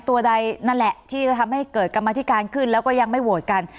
ตัวใดนั่นแหละที่จะทำให้เกิดกรรมธิการขึ้นแล้วก็ยังไม่โหวตกัน